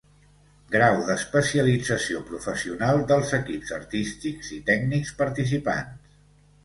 Grau d'especialització professional dels equips artístics i tècnics participants.